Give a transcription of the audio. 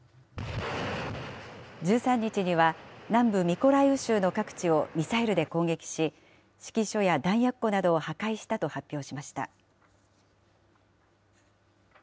１３日には、南部ミコライウ州の各地をミサイルで攻撃し、指揮所や弾薬庫などを破壊したと発表しました。